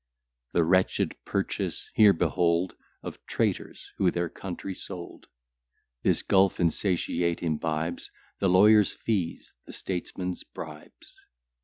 The wretched purchase here behold Of traitors, who their country sold. This gulf insatiate imbibes The lawyer's fees, the statesman's bribes.